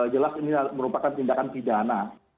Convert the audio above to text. jelas ini merupakan tindakan pidana